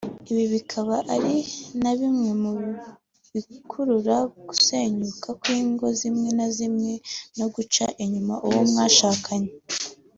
ibi bikaba ari na bimwe mu bikurura gusenyuka kw’ingo zimwe na zimwe no guca inyuma uwo mwashakanye